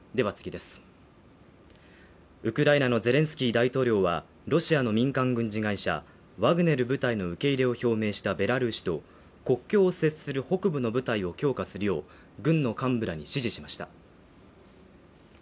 ウクライナのゼレンスキー大統領は、ロシアの民間軍事会社ワグネル部隊の受け入れを表明したベラルーシと国境を接する北部の部隊を強化するよう、軍の幹部らに指示しました。